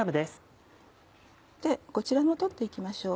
こちらも取っていきましょう。